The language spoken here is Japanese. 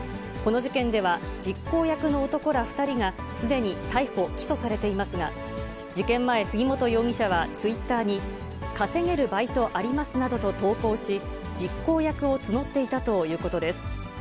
この事件では、実行役の男ら２人が、すでに逮捕・起訴されていますが、事件前、杉本容疑者はツイッターに、稼げるバイトありますなどと投稿し、実行役を募っていたということです。